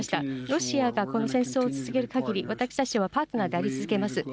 ロシアがこの戦争を続けるかぎり、私たちはパートナーであり続けます。